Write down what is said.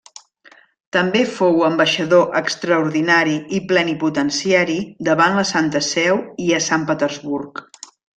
També fou ambaixador extraordinari i plenipotenciari davant la Santa Seu i a Sant Petersburg.